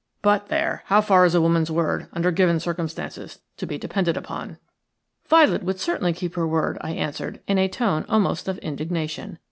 But, there, how far is a woman's word, under given circumstances, to be depended upon?" "Violet would certainly keep her word," I answered, in a tone almost of indignation.